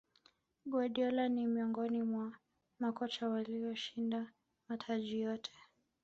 guardiola ni miongoni mwa makocha walioshinda mataji yote